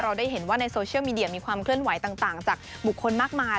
ได้เห็นว่าในโซเชียลมีเดียมีความเคลื่อนไหวต่างจากบุคคลมากมาย